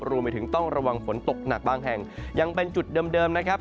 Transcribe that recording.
รวมไปถึงต้องระวังฝนตกหนักบางแห่งยังเป็นจุดเดิมนะครับ